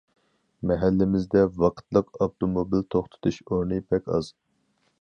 مەھەللىمىزدە ۋاقىتلىق ئاپتوموبىل توختىتىش ئورنى بەك ئاز.